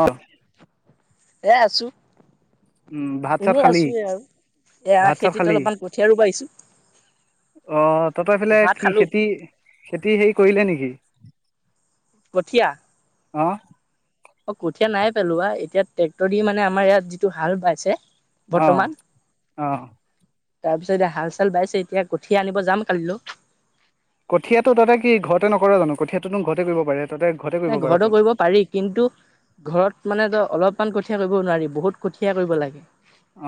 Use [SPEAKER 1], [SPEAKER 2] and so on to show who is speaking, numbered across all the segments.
[SPEAKER 1] অঁ
[SPEAKER 2] এ আছো
[SPEAKER 1] উম ভাত চাত
[SPEAKER 2] এনেই
[SPEAKER 1] খালি
[SPEAKER 2] আছোৱে আৰু এয়া
[SPEAKER 1] ভাত চাত
[SPEAKER 2] খেতিত
[SPEAKER 1] খালি
[SPEAKER 2] অলপমান কঠীয়া ৰুব আহিছো
[SPEAKER 1] অঁ তহঁতৰ সেইফালে
[SPEAKER 2] ভাত
[SPEAKER 1] কি
[SPEAKER 2] খালো
[SPEAKER 1] খেতি খেতি সেই কৰিলে নেকি?
[SPEAKER 2] কঠিয়া
[SPEAKER 1] অঁ
[SPEAKER 2] অঁ কঠীয়া নাই পেলোৱা এতিয়া ট্ৰেক্টৰ দি মানে আমাৰ ইয়াত যিটো হাল বাইছে।
[SPEAKER 1] অঁ
[SPEAKER 2] বৰ্তমান
[SPEAKER 1] অঁ
[SPEAKER 2] তাৰপিছত এতিয়া হাল চাল বাইছে এতিয়া কঠিয়া আনিব যাম কালিলৈ।
[SPEAKER 1] কঠীয়াটো তহঁতে কি ঘৰতে নকৰে জানো কঠিয়াতোনো ঘৰতে কৰিব পাৰে। তহঁতে ঘৰতে কৰিব
[SPEAKER 2] নাই ঘৰতো
[SPEAKER 1] পাৰচোন
[SPEAKER 2] কৰিব পাৰি কিন্তু ঘৰত মানে ত অলপ অলপমান কঠীয়া কৰিব নোৱাৰি বহুত কঠীয়া কৰিব লাগে।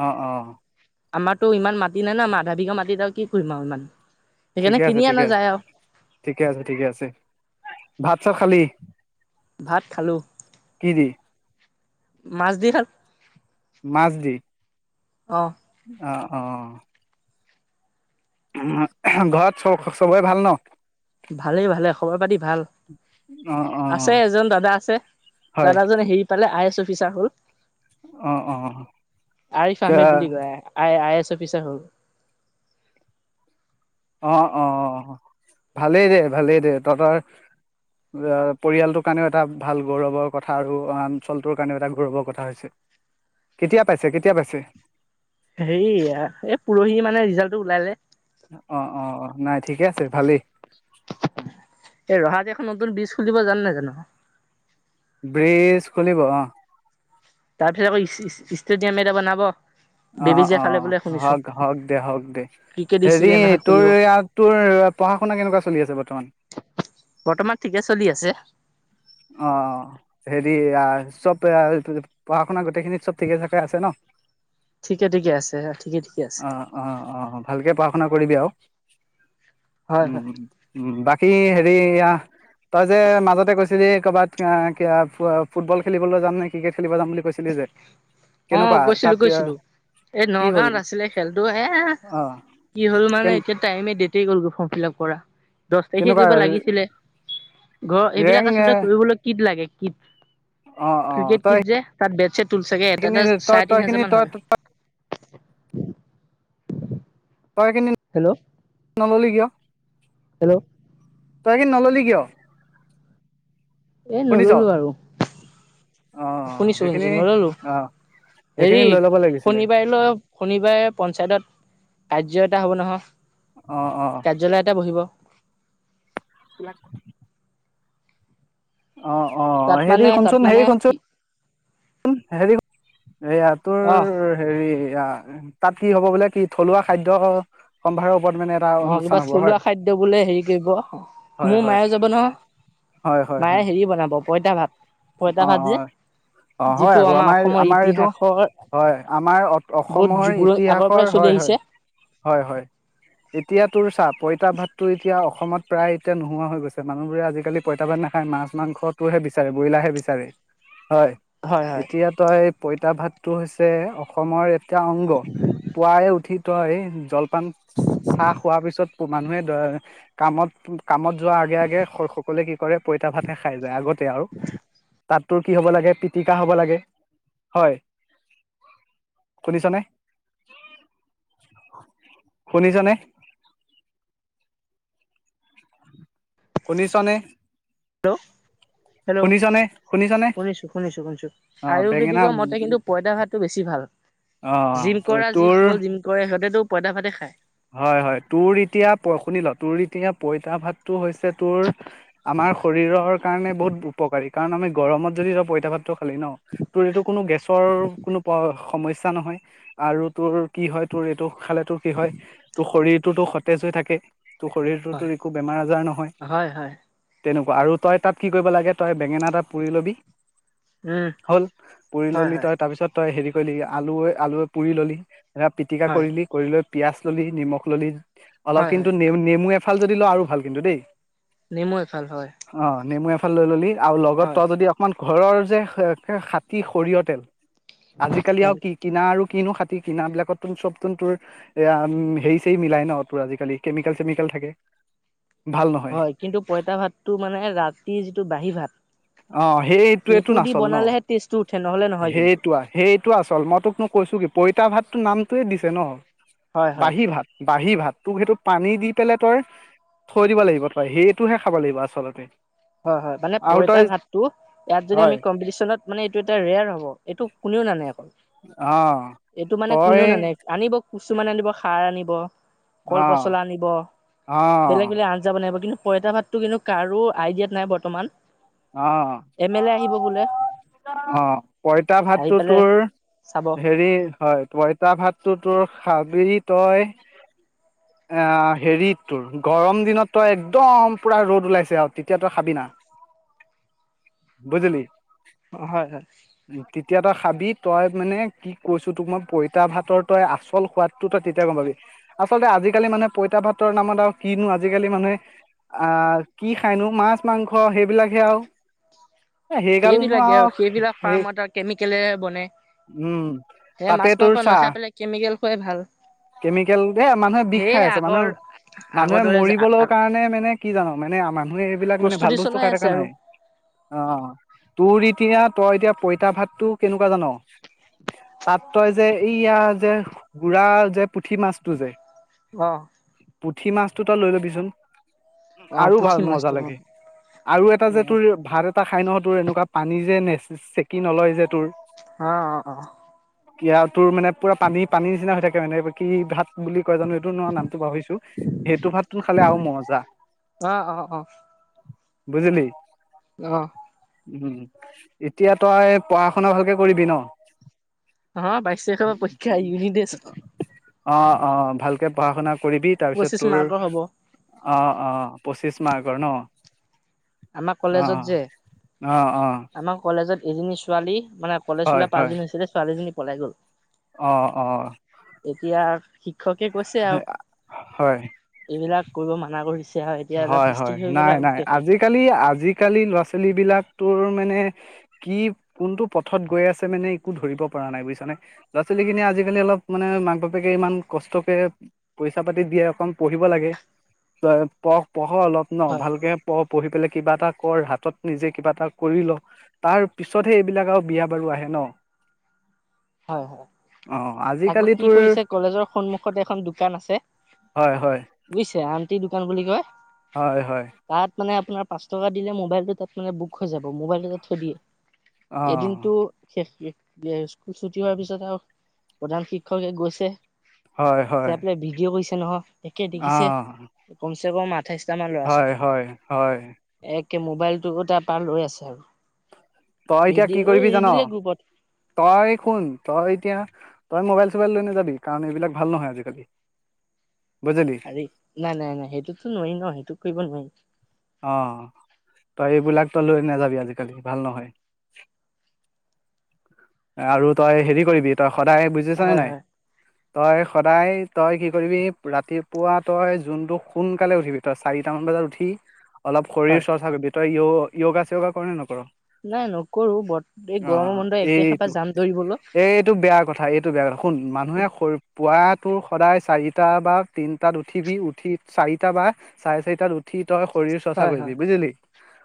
[SPEAKER 1] অঁ অঁ
[SPEAKER 2] আমাৰতো ইমান মাটি নাই না আমাৰ আধা বিঘা মাটিত আৰু কি কৰিম আৰু ইমান সেইকাৰণে
[SPEAKER 1] ঠিকেই আছে
[SPEAKER 2] কিনি অনা
[SPEAKER 1] ঠিকেই আছে
[SPEAKER 2] যায় আৰু
[SPEAKER 1] ঠিকেই আছে ঠিকেই আছে। ভাত চাত খালি।
[SPEAKER 2] ভাত খালো
[SPEAKER 1] কি দি
[SPEAKER 2] মাছ দি খালো। অঁ
[SPEAKER 1] অঁ অঁ ঘৰত চব চবৰে ভাল ন।
[SPEAKER 2] ভালে ভালে খবৰ পাতি ভাল
[SPEAKER 1] অ অ
[SPEAKER 2] আছে এজন দাদা আছে
[SPEAKER 1] হয়
[SPEAKER 2] দাদাজনে হেৰি পালে আই এছ। অফিচাৰ হ'ল।
[SPEAKER 1] অ অ এ
[SPEAKER 2] আৰিফ
[SPEAKER 1] কা
[SPEAKER 2] আহমেদ বুলি কয় আই আই এছ অফিচাৰ হল।
[SPEAKER 1] অ অ অ ভালেই দে ভালেই দে তহঁতৰ পৰিয়ালটোৰ কাৰণেও এটা ভাল গৌৰৱৰ কথা আৰু অঞ্চলটোৰ কাৰণেও এটা গৌৰৱৰ কথা হৈছে কেতিয়া পাইছে কেতিয়া পাইছে।
[SPEAKER 2] হেৰি এই পৰহি মানে ৰিজাল্টটো ওলালে
[SPEAKER 1] অ অ অ নাই ঠিকে আছে ভালেই।
[SPEAKER 2] খোলিব জান নেজান?
[SPEAKER 1] ব্ৰিজ খুলিব অ
[SPEAKER 2] তাৰপিছত আকৌ ষ্টেডিয়াম এটা বনাব।
[SPEAKER 1] অ
[SPEAKER 2] বেবেজীয়া
[SPEAKER 1] অ
[SPEAKER 2] ফালে বোলে শুনিছো
[SPEAKER 1] হওক হওক দে হওক দে
[SPEAKER 2] ক্ৰিকেট
[SPEAKER 1] হেৰি
[SPEAKER 2] ষ্টেডিয়াম এখন
[SPEAKER 1] তোৰ
[SPEAKER 2] খুলিব।
[SPEAKER 1] ইয়াত তোৰ পঢ়া শুনা কেনেকুৱা চলি আছে বৰ্তমান।
[SPEAKER 2] বৰ্তমান ঠিকে চলি আছে
[SPEAKER 1] অ হেৰি চব পঢ়া শুনা কৰি গোটেইখিনিত চব ঠিকে থাকে আছে ন
[SPEAKER 2] ঠিকে ঠিকে আছে ঠিকে ঠিকে আছে
[SPEAKER 1] অ অ অ ভালকে পা- কৰিবি আৰু
[SPEAKER 2] হয়
[SPEAKER 1] উম
[SPEAKER 2] হয়
[SPEAKER 1] উম বাকী সি হেৰি তই যে মাজতে কৈছ। ক'ৰবাত ফুটবল খেলিবলৈ যাম নে ক্ৰিকেট খেলিব যাম বুলি কৈছিলি যে
[SPEAKER 2] অ
[SPEAKER 1] কেনেকুৱা
[SPEAKER 2] গৈছিলো
[SPEAKER 1] তাত
[SPEAKER 2] গৈছিলো, এই
[SPEAKER 1] কি হ'ল
[SPEAKER 2] নগাঁৱত আছিলে খেলটো এ
[SPEAKER 1] অ
[SPEAKER 2] কি হ'ল মানে
[SPEAKER 1] কেন
[SPEAKER 2] এতিয়া টাইম ডেট গ'ল ফিলাপ কৰা দহ তাৰিখে
[SPEAKER 1] কেনেকুৱা
[SPEAKER 2] কৰিব লাগিছিলে ঘৰ এইবিলাক
[SPEAKER 1] ৰেং
[SPEAKER 2] আচলতে কৰিবলৈ কি লাগে। স্কি
[SPEAKER 1] অ অ
[SPEAKER 2] ক্ৰিকেট
[SPEAKER 1] তই
[SPEAKER 2] কিট যে তাত বেছে তুলছে
[SPEAKER 1] সেইখিনি তই তইখিনি তই তই কিন
[SPEAKER 2] হেল্ল'
[SPEAKER 1] নল'লে কিয়
[SPEAKER 2] হেল্ল'
[SPEAKER 1] তই কিন নললি কিয়
[SPEAKER 2] এ
[SPEAKER 1] শুনিছ
[SPEAKER 2] নললো আৰু,
[SPEAKER 1] অ
[SPEAKER 2] শুনিছো
[SPEAKER 1] সেইখিনি
[SPEAKER 2] শুনিছো নললো
[SPEAKER 1] অ
[SPEAKER 2] হেৰি
[SPEAKER 1] সেইখিনি লৈ ল'ব লাগিছিলে
[SPEAKER 2] শনিবাৰলৈ শনিবাৰে পঞ্চায়তত কাৰ্যত নহওঁক
[SPEAKER 1] অ অ
[SPEAKER 2] কাৰ্যালয়তে বহিব
[SPEAKER 1] [unintelligible] অ অ
[SPEAKER 2] তাত
[SPEAKER 1] হেৰি
[SPEAKER 2] মানে তাত
[SPEAKER 1] শুনচোন
[SPEAKER 2] মানে
[SPEAKER 1] হেৰি
[SPEAKER 2] কি
[SPEAKER 1] শুনচোন হেৰি এইয়া তোৰ
[SPEAKER 2] অ
[SPEAKER 1] হেৰি এতিয়া তাত কি হ'ব বোলে কি থলুৱা খাদ্য সম্ভাৰৰ ওপৰত মানে এটা
[SPEAKER 2] অ
[SPEAKER 1] অনুষ্ঠান
[SPEAKER 2] কিবা
[SPEAKER 1] হ'ব হয়
[SPEAKER 2] থলুৱা খাদ্য বোলে হেৰি কৰিব
[SPEAKER 1] হয়
[SPEAKER 2] মোৰ
[SPEAKER 1] হয়
[SPEAKER 2] মায়ে যাব নহয় মায়ে হেৰি বনাব পঁইতা ভাত পইতা
[SPEAKER 1] অহ', -
[SPEAKER 2] ভাত যে
[SPEAKER 1] অহ', - অহ', হয়
[SPEAKER 2] যিটো
[SPEAKER 1] আকৌ আমাৰ-
[SPEAKER 2] অসমৰ
[SPEAKER 1] আমাৰ এইটো
[SPEAKER 2] ইতিহাসৰ
[SPEAKER 1] হয় আমাৰ
[SPEAKER 2] বহুত
[SPEAKER 1] অসমৰ
[SPEAKER 2] যুগ আগৰ
[SPEAKER 1] ইতিহাসৰ
[SPEAKER 2] পৰাই চলি
[SPEAKER 1] হয়- হয়
[SPEAKER 2] আহিছে।
[SPEAKER 1] -হয় - হয়। এতিয়া তোৰ চাপ পইতা ভাতটো এতিয়া অসমত প্ৰায় এতিয়া নোৱা হৈ গৈছে মানুহবোৰে আজি কালি পইতা ভাত নাখায় মাছ মাংসটোহে বিচাৰে। বইলাৰাহে বিচাৰে। হয়
[SPEAKER 2] হয় হয়
[SPEAKER 1] এতিয়া তই পইতা ভাতটো হৈছে অসমৰ এয়া অংগ পুৱাই উঠি হয় জল পান চাহ খোৱাৰ পিছত মানুহে কামত- কামত যোৱা আগে- আগে সকলোৱে কি কৰে পইতা ভাতহে খাই যায় আগতে আৰু। তাততোৰ কি হ'ব লাগে পিটিকা হ'ব লাগে হয় শুনিছনে - শুনিছনে। শুনিছনে?
[SPEAKER 2] হেল্ল', হেল্ল',
[SPEAKER 1] শুনিছনে শুনিছনে
[SPEAKER 2] শুনিছো - শুনিছো - শুনিছো
[SPEAKER 1] অ বেঙেনা
[SPEAKER 2] আয়ুৰ্বেদিকৰ মতে কিন্তু পইদা ভাতটো বেছি ভাল
[SPEAKER 1] অ
[SPEAKER 2] জিম কৰা
[SPEAKER 1] তোৰ
[SPEAKER 2] যিসকল জিম কৰে সিহঁতেতো পইতা ভাতে খাই।
[SPEAKER 1] হয় - হয় তোৰ এতিয়া শুনিল তোৰ এতিয়া পইতা ভাতটো হৈছে তোৰ আমাৰ শৰীৰৰ কাৰণে বহুত উপকাৰী। কাৰণ আমি গৰমত যদি পইতা ভাত খালি ন তোৰ এইটো কোনো গেছৰ কোনো প সমস্যা ইচ্ছা নহয়। আৰু তোৰ কি হয় তোৰ এইটো খালে তোৰ কি হয় তোৰ শৰীৰটোতো সতেজ হৈ থাকে। ত শৰীৰটোতো
[SPEAKER 2] হয়
[SPEAKER 1] একো বেমাৰ আজাৰ নহয়।
[SPEAKER 2] হয় হয়
[SPEAKER 1] তেনেকুৱা আৰু তই তাত কি কৰিব লাগে তই বেঙেনা এটা পুৰি ল'বি।
[SPEAKER 2] উম
[SPEAKER 1] হ'ল পুৰি
[SPEAKER 2] হয়
[SPEAKER 1] ললি
[SPEAKER 2] হয়
[SPEAKER 1] তই তাৰপিছত তই হেৰি কৈলি আলুৰ - আলুৰ পুৰি ললি এয়া পিটিকা
[SPEAKER 2] হয়
[SPEAKER 1] কৰিলি কৰি লৈ পিয়াছ ললি নিমখ ললি অলপ
[SPEAKER 2] হয়
[SPEAKER 1] কিন্তু
[SPEAKER 2] হয়
[SPEAKER 1] নেমু -নেমু এক ফাল যদি লোৱা আৰু ভাল কিন্তু দেই।
[SPEAKER 2] নেমু এফাল হয়।
[SPEAKER 1] লয় ললি আৰু লগত
[SPEAKER 2] হয়
[SPEAKER 1] তই যদি অকমান ঘৰৰ যে খে কে খাতী সৰিয়হ তেল আজিকালি আৰু
[SPEAKER 2] হয়
[SPEAKER 1] কি কিনা আৰু কিনো খাতি কিনাবিলাকত তুন চবতোন তোৰ এয়া আম হেৰি চেৰি মিলাই ন তোৰ আজিকালি কেমিকেল চেমিকেল থাকে। ভাল নহয়
[SPEAKER 2] হয় কিন্তু পইতা ভাতটো মানে ৰাতি যিটো বাহী ভাত
[SPEAKER 1] অ
[SPEAKER 2] সেইটো
[SPEAKER 1] সেইটোয়েটোন
[SPEAKER 2] দি
[SPEAKER 1] আচল ন
[SPEAKER 2] বনালেহে টেষ্টটো উঠে নহ'লে নহয় কিন্তু
[SPEAKER 1] সেইটোৱা সেইটো আচ চল মই তোকনো কৈছো কি পইতা ভাতটোৰ নামটোৱে দিছে ন।
[SPEAKER 2] হয় হয়
[SPEAKER 1] বাহী ভাত। বাহী ভাত তোক সেইটো পানী দি পেলাই তই থৈ দিব লাগিব তই সেইটোহে খাব লাগিব আচলতে।
[SPEAKER 2] হয় হয় মানে
[SPEAKER 1] আৰু
[SPEAKER 2] পইতা
[SPEAKER 1] তই
[SPEAKER 2] ভাত টো ইয়াত যদি আমি
[SPEAKER 1] হয়
[SPEAKER 2] কম্পিটিশনত মানে এইটো এটা ৰেয়াৰ হব এইটো কোনেও নানে আকৌ।
[SPEAKER 1] অ তই
[SPEAKER 2] নানে আনিব কিছুমানে আনিব খাৰ আনিব। কল
[SPEAKER 1] অ
[SPEAKER 2] পচলা আনিব
[SPEAKER 1] অ
[SPEAKER 2] বেলেগ বেলেগ আঞ্জা বনাই আনিব কিন্তু পইতা ভাতটো কিন্তু কাৰো আইডিয়াত নাই বৰ্তমান।
[SPEAKER 1] অ
[SPEAKER 2] এম এল এ আহিব বোলে
[SPEAKER 1] অ পইতা
[SPEAKER 2] আহি
[SPEAKER 1] ভাতটো
[SPEAKER 2] পেলাই
[SPEAKER 1] তোৰ
[SPEAKER 2] চাব
[SPEAKER 1] হেৰি হয় পইতা ভাত টো তোৰ খাবি তই আ হেৰিত তোৰ গৰম দিনত তই একদম পুৰা ৰ'দ ওলাইছে আৰু তেতিয়া তই খাবি না। বুজিলি?
[SPEAKER 2] হয় হয়।
[SPEAKER 1] তেতিয়া তই খাবি তই মানে কি কৈছো তোক মই পইতা ভাতৰ তই আচল সোৱাদটো তই তেতিয়া গম পাবি। আচলতে আজিকালি মানুহে পইতা ভাতৰ নামত আৰু কিনো আজিকালি মানুহে আহ কি খাইনো মাছ, মাংস সেইবিলাক আও।
[SPEAKER 2] সেইবিলাকে আৰু সেইবিলাক ফাৰ্মত আৰু কেমিকেলেৰে বনে।
[SPEAKER 1] উম
[SPEAKER 2] সেইয়া মাছ মাংস নাখাই পেলাই কেমিকেল খুৱাই ভাল।
[SPEAKER 1] কেমিকেলদে মানুহে বিষ
[SPEAKER 2] সেয়ে
[SPEAKER 1] খাই আছে, মানুহে
[SPEAKER 2] আগৰ আগৰ
[SPEAKER 1] মানুহে
[SPEAKER 2] দৰে যে
[SPEAKER 1] মৰিবলৈ কাৰণে মানে কি জান মানে আমাৰ মানুহে সেইবিলাক মানে ভাল
[SPEAKER 2] প্ৰস্তুতি
[SPEAKER 1] বস্তু
[SPEAKER 2] চলাই
[SPEAKER 1] খাই
[SPEAKER 2] আছে
[SPEAKER 1] থকা
[SPEAKER 2] আৰু
[SPEAKER 1] নাই। অ। তোৰ এতিয়া তই এতিয়া পইতা ভাতটো কেনেকুৱা জান? তাত তই যে এয়া যে বুঢ়া যে, পুঠি মাছটো যে,
[SPEAKER 2] অ।
[SPEAKER 1] পুঠি মাছটো তই লৈ লবিচোন।
[SPEAKER 2] অ
[SPEAKER 1] আৰু ভাল
[SPEAKER 2] পুঠি
[SPEAKER 1] মজা
[SPEAKER 2] মাছটো অ
[SPEAKER 1] লাগে আৰু এটা যে তোৰ ভাৰত খাই নহয় তোৰ এনেকুৱা পানী যে চেকি নলয় যে, তোৰ
[SPEAKER 2] অ অ অ।
[SPEAKER 1] তোৰ মানে পুৰা পানী পানী নিচিনা হৈ থাকে মানে। কি ভাত বুলি কয় জানো এইটো ন নামটো পাহৰিছো। সেইটো ভাতটো খালে আৰু মজা।
[SPEAKER 2] অ অ
[SPEAKER 1] বুজিলি?
[SPEAKER 2] অ।
[SPEAKER 1] উম এতিয়া তই পঢ়া শুনা ভালকে কৰিবি ন?
[SPEAKER 2] অ বাইশ তাৰিখৰ পৰা পৰীক্ষা ইউনিট টেষ্ট।
[SPEAKER 1] অ অ ভালকে পঢ়া শুনা কৰিবি তাৰপিছত
[SPEAKER 2] পঁচিশ
[SPEAKER 1] তোৰ,
[SPEAKER 2] মাৰ্কৰ হ'ব
[SPEAKER 1] অ অ পঁচিশ মাৰ্কৰ ন?
[SPEAKER 2] আমাৰ কলেজত যে
[SPEAKER 1] অ অ
[SPEAKER 2] আমাৰ কলেজত, এজনী ছোৱালী মানে কলেজ
[SPEAKER 1] হয়
[SPEAKER 2] ওলাই
[SPEAKER 1] হয়
[SPEAKER 2] পাঁচদিন হৈছিলে ছোৱালীজনী, পলাই গল।
[SPEAKER 1] অ অ।
[SPEAKER 2] এতিয়া শি ক্ষকে কৈছে আৰু
[SPEAKER 1] হয়,
[SPEAKER 2] এইবিলাক, কৰিব মানা কৰিছে। আৰু এতিয়া অলপ
[SPEAKER 1] হয়
[SPEAKER 2] ষ্ট্ৰিক
[SPEAKER 1] হয়,
[SPEAKER 2] হৈ গ'ল
[SPEAKER 1] নাই
[SPEAKER 2] আৰু
[SPEAKER 1] নাই
[SPEAKER 2] গোটেইখন।
[SPEAKER 1] আজিকালি আজিকালি ল'ৰা-ছোৱালীবিলাক তোৰ মানে কি কোনটো পথত গৈ আছে মানে একো ধৰিব পৰা নাই। বুজিছা নে? ল'ৰা-ছোৱালীখিনিয়ে আজিকালি অলপ মানে মাক-বাপেকে ইমান কষ্টকে পইচা পাতি দিয়ে অকণ পঢ়িব লাগে। [unintelligible] প [unintelligible] পঢ় অলপ ন,
[SPEAKER 2] হয়,
[SPEAKER 1] ভালকে পঢ় পঢ়ি পেলাই কিবা এটা কৰ, হাতত নিজে কিবা এটা কৰি ল তাৰ পিছতহে এইবিলাক আৰু বিয়া বাৰু আহে ন?
[SPEAKER 2] হয় হয়
[SPEAKER 1] অ',
[SPEAKER 2] আকৌ
[SPEAKER 1] আজিকালি
[SPEAKER 2] কি
[SPEAKER 1] তোৰ
[SPEAKER 2] কৰিছে কলেজৰ সন্মুখতে এখন দোকান আছে
[SPEAKER 1] হয়, হয়,
[SPEAKER 2] বুজিছে আন কি দোকান বুলি কয়?
[SPEAKER 1] হয় হয়
[SPEAKER 2] তাত মানে আপোনাৰ পাঁচ টকা দিলে মোবাইলটো তাত মানে বুক হৈ যাব, মোবাইলটো যে থৈ দিয়ে। এদিনটো
[SPEAKER 1] অ',
[SPEAKER 2] শেষ শে বি [unintelligible] স্কুল ছুটি হোৱাৰ পিছত আৰু প্ৰধান শিক্ষকে গৈছে
[SPEAKER 1] হয়,
[SPEAKER 2] যে
[SPEAKER 1] হয়,
[SPEAKER 2] আপোনাৰ ভিডিঅ' কৈছে [unintelligible] নহ একে দেখিছে
[SPEAKER 1] অ'।
[SPEAKER 2] ক [unintelligible] চব মাত
[SPEAKER 1] হয় হয় হয়
[SPEAKER 2] [unintelligible] মোবাইলটো তা পাৰ লৈ আছে আৰু
[SPEAKER 1] তই এতিয়া কি
[SPEAKER 2] ভিডিঅ'
[SPEAKER 1] কৰিবি
[SPEAKER 2] এৰি
[SPEAKER 1] জান?
[SPEAKER 2] দিলে গ্ৰুপত।
[SPEAKER 1] তই শুন? তই এতিয়া তই মোবাইল-চোবাইল লৈ নাযাবি কাৰণ এইবিলাক ভাল নহয় আজিকালি। বুজিলি
[SPEAKER 2] আৰেই নাই-নাই-নাই সেইটোতো নোৱাৰি ন সেইটো কৰিব নোৱাৰি।
[SPEAKER 1] অঁ তই এইবিলাক তই লৈ নাযাবি আজিকালি ভাল নহয়। আৰু তই হেৰি কৰিবি তই সদায়। বুজিছ নে
[SPEAKER 2] হয়
[SPEAKER 1] নাই?
[SPEAKER 2] হয়
[SPEAKER 1] তই সদায় তই কি কৰিবি ৰাতিপুৱা তই যোনটো সোনকালে উঠিবি, তই চাৰিটামান বজাত উঠি অলপ
[SPEAKER 2] হয়
[SPEAKER 1] শৰীৰ-চৰ্চা [unintelligible] তই য় য়োগা-চিয়গা কৰ নে নকৰ?
[SPEAKER 2] নাই নকৰো ব এই গৰমৰ
[SPEAKER 1] অঁ
[SPEAKER 2] বন্ধ এক তাৰিখৰ পৰা
[SPEAKER 1] এইটো!
[SPEAKER 2] যাম দৌৰিবলৈ
[SPEAKER 1] এইটো বেয়া কথা, এইটো বেয়া কথা, শুন মানুহে পোৱাত তোৰ সদায় চাৰিটা বা তিনটাত উঠিবি। উঠি চাৰিটা বা চাৰে চাৰিটাত উঠি- ত‌ই শৰীৰ চৰ্চা
[SPEAKER 2] হয়
[SPEAKER 1] কৰিবি
[SPEAKER 2] হয়
[SPEAKER 1] বুজিলি।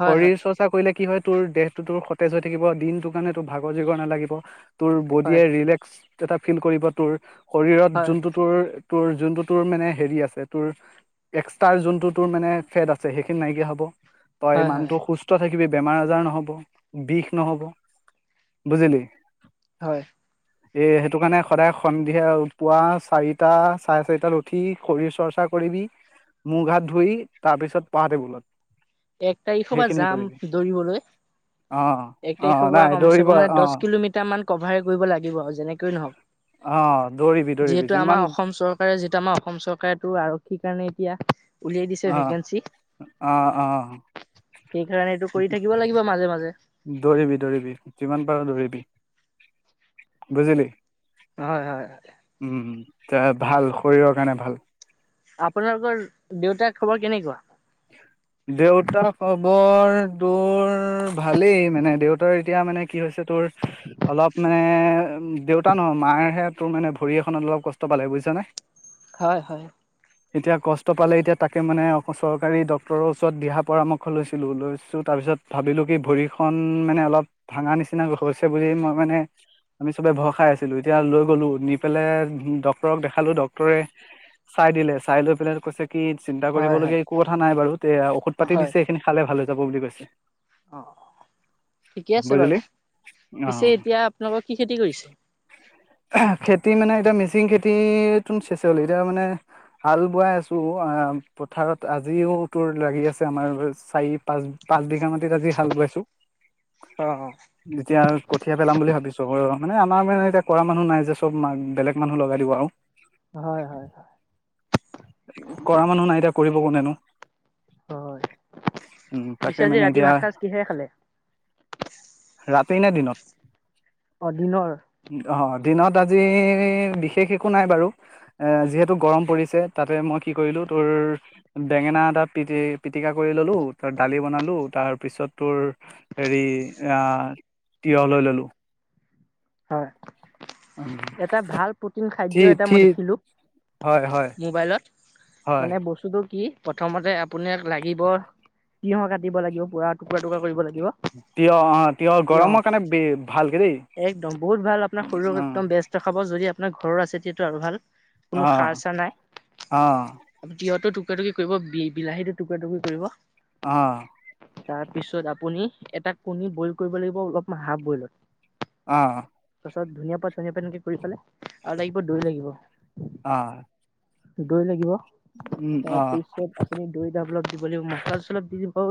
[SPEAKER 2] হয়
[SPEAKER 1] শৰীৰ
[SPEAKER 2] হয়
[SPEAKER 1] চৰ্চা কৰিলে কি হয় তোৰ দেহটো তোৰ সতেজ হৈ থাকিব, দিনটো কাৰণে তোৰ ভাগৰ জগৰ নালাগিব। তোৰ বডিয়ে
[SPEAKER 2] হয়
[SPEAKER 1] ৰিলেক্স এটা ফিল কৰিব তোৰ শৰীৰত
[SPEAKER 2] হয়
[SPEAKER 1] যোনটো তোৰ তোৰ যোনটো তোৰ মানে হেৰি আছে তোৰ এক্সট্ৰাৰ যোনটো তোৰ মানে ফাথ আছে সেইখিনি নাইকিয়া হব তই
[SPEAKER 2] হয় হয়
[SPEAKER 1] মানুহটো সুস্থ থাকে কিবি বেমাৰ আজাৰ নহব বিষ নহব বুজিলি?
[SPEAKER 2] হয়।
[SPEAKER 1] এৰ সেইটো কাৰণে সদায় সন্ধিয়া পুৱা চাৰিটা চাৰে চাৰিটাত উঠি শৰীৰ চৰ্চা কৰিবি মোহ ঘাত ধুই তাৰপিছত পঢ়া টেবুলত।
[SPEAKER 2] এক তাৰিখৰ পৰা
[SPEAKER 1] সেইখিনি
[SPEAKER 2] যাম
[SPEAKER 1] কৰিবি
[SPEAKER 2] দৌৰিবলৈ
[SPEAKER 1] অ
[SPEAKER 2] এক
[SPEAKER 1] অ
[SPEAKER 2] তাৰিখৰ পৰা
[SPEAKER 1] নাই
[SPEAKER 2] কমচে
[SPEAKER 1] দৌৰিব
[SPEAKER 2] কমে মানে
[SPEAKER 1] অ
[SPEAKER 2] দহ কিলোমিটাৰ মান। কভাৰ কৰিব লাগিব আৰু যেনেকৈয়ে নহওক,
[SPEAKER 1] অ দৌৰিবি দৌৰিবি
[SPEAKER 2] যিহেতু
[SPEAKER 1] যিমান
[SPEAKER 2] আমাৰ অসম চৰকাৰে, যিটো আমাৰ অসম চৰকাৰে টো আৰক্ষীৰ কাৰণে এতিয়া উলিয়াই দিছে
[SPEAKER 1] অহ,
[SPEAKER 2] ভেকেঞ্চি
[SPEAKER 1] অ', অ'।
[SPEAKER 2] সেইকাৰণে এইটো কৰি থাকিব লাগিব মাজে মাজে।
[SPEAKER 1] দৌৰিবি, দৌৰিবি, যিমান পাৰ দৌৰিবি, বুজিলি।
[SPEAKER 2] হয়, হয়, হয়।
[SPEAKER 1] এ ভাল শৰীৰৰ কাৰণে ভাল।
[SPEAKER 2] আপোনালোকৰ দেউতাৰ খবৰ কেনেকুৱা?
[SPEAKER 1] দেউতা খবৰ তোৰ ভালেই মানে দেউতাৰ এতিয়া মানে কি হৈছে টোৰ অলপ মানে উ দেউতা নহয় মায়েহে তোৰ মানে ভৰি এখনত অলপ কষ্ট পালে বুজিছানে?
[SPEAKER 2] হয় হয়।
[SPEAKER 1] এতিয়া কষ্ট পালে এতিয়া তাকে মানে অ চ কাৰী ডক্টৰৰ ওচৰত দিহা পৰামৰ্শ লৈছিলোঁ। লৈ তাৰপিছত ভাবিলোঁ কি ভৰিখন মানে অলপ ভাঙা নিচিনা হৈছে বুলি মই মানে আমি চবে ভৰ খাই আছিলোঁ, এতিয়া লৈ গ'লো নি পেলাই ডক্টৰক দেখালোঁ। ডক্টৰে চাই দিলে চাই পেলাই কৈছে কি চিন্তা
[SPEAKER 2] হয় হয়
[SPEAKER 1] কৰিবলগীয়া এক কথা নাই বাৰু যে ঔষধ পাতি
[SPEAKER 2] হয়
[SPEAKER 1] দিছে সেইখিনি খালে ভাল হৈ যাব বুলি কৈছে
[SPEAKER 2] অ অ ঠিকে আছে বাৰু
[SPEAKER 1] বুজিলি
[SPEAKER 2] পিছে
[SPEAKER 1] অ
[SPEAKER 2] এতিয়া আপোনালোকক কি খেতি কৰিছে?
[SPEAKER 1] খেতি মানে এতিয়া মিচিং খেতি ত চেচ হল। এতিয়া মানে হাল বোৱাই আছো আহ পথাৰত আজিও তোৰ লাগি আছে আমাৰ চাৰি পাঁচ পাঁচ বিঘা মাটিত আজি হাল বোৱাইছো
[SPEAKER 2] অ
[SPEAKER 1] যেতিয়া কঠিয়া পেলাম বুলি ভাবিছো মানে আমাৰ মানে এতি য়া কৰা মানুহ নাই যে চব মাক বেলেগ মানুহ লগাই দিব আও।
[SPEAKER 2] অ হয় হয়
[SPEAKER 1] কৰা মানুহ নাই এতিয়া। কৰিব কোনেনো?
[SPEAKER 2] হয়
[SPEAKER 1] উম তাকে মানে
[SPEAKER 2] পিছেজি ৰাতি
[SPEAKER 1] এতিয়া
[SPEAKER 2] ভাত সাজ কিহে খালে?
[SPEAKER 1] ৰাতি নে দিনত?
[SPEAKER 2] অ দিনৰ
[SPEAKER 1] অ দিনত আজি বিশেষ একো নাই বাৰু এ যিহেতু গৰম পৰিছে। তাতে মই কি কৰিলো তোৰ বেঙেনা এটা পি পিটিকা কৰি ললো তাৰ দালি বনালো তাৰ পিছত তোৰ হেৰি আহ তিঁয়হ লৈ ললো।
[SPEAKER 2] হয়। এটা ভাল প্ৰটিন খাদ্য
[SPEAKER 1] থি
[SPEAKER 2] এটা
[SPEAKER 1] থি
[SPEAKER 2] মই দেখিলো
[SPEAKER 1] হয় হয়
[SPEAKER 2] মোবাইলত
[SPEAKER 1] হয়
[SPEAKER 2] মানে বস্তুটো কি? প্ৰথমতে আপোনাক লাগিব তিয়হ কাটিব লাগিব পুৰা টুকুৰা টুকুৰা কৰিব লাগিব।
[SPEAKER 1] তিঁয়হ অ তিঁয়হ
[SPEAKER 2] তিয়হ।
[SPEAKER 1] গৰমৰ কাৰণে ভালকে দেই।
[SPEAKER 2] বহুত ভাল আপোনাৰ শৰীৰক
[SPEAKER 1] অ',
[SPEAKER 2] একদম বেস্ত দেখাব যদি আপোনাৰ ঘৰৰ আছে তিয়াটো আৰু ভাল। কোনো সাৰ
[SPEAKER 1] অ',
[SPEAKER 2] চা নাই।
[SPEAKER 1] অ',
[SPEAKER 2] তিঁয়হটো টুকু টুৰা টুকুই কৰিব বিলাহী টু টুৰি কৰিব।
[SPEAKER 1] অহ।
[SPEAKER 2] তাৰপিছত আপুনি এটা কণী বইল কৰিব লাগিব অলপমান হাফ বইলত।
[SPEAKER 1] অহ।
[SPEAKER 2] তাৰাছত ধুনীয়া পাত ধুনীয়া পৰা এনেকে কৰি ফালে আৰু লাগিব দৈ লাগিব।
[SPEAKER 1] অ',
[SPEAKER 2] দৈ লাগিব
[SPEAKER 1] উম,
[SPEAKER 2] তাৰ
[SPEAKER 1] অ'।
[SPEAKER 2] পিছত আপুনি দৈ টা অলপ দিব লাগিব মছলা চচলা দি দিব।